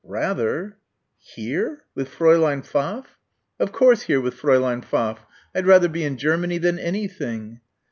"Rather." "Here, with Fräulein Pfaff?" "Of course, here with Fräulein Pfaff. I'd rather be in Germany than anything."